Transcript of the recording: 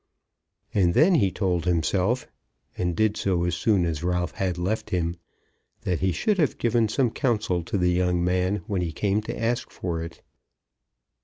And then he told himself, and did so as soon as Ralph had left him, that he should have given some counsel to the young man when he came to ask for it.